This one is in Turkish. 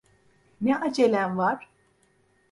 Ne acelen var?